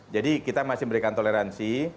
jadi kita masih memberikan toleransi